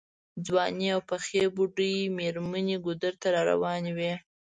ځوانې او پخې بوډۍ مېرمنې ګودر ته راروانې وې.